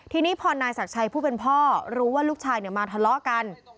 ทีนี้พอนายศักดิ์ชัยผู้เป็นพ่อรู้ว่าลูกชายมาทะเลาะกัน